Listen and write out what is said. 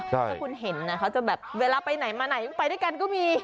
ถ้าคุณเห็นนะเขาจะแบบเวลาไปไหนมาไหนไปด้วยกันก็มี